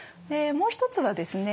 もう一つはですね